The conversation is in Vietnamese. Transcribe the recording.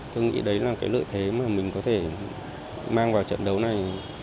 tôi nghĩ đấy là cái lợi thế mà mình có thể mang vào trận đấu này